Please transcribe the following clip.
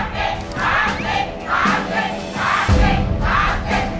๓๐คะแนน